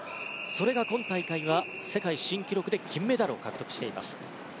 それが今大会、世界新記録で金メダルを獲得しています。